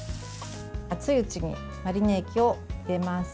熱いうちにマリネ液を入れます。